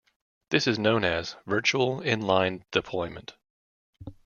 This is known as virtual inline deployment.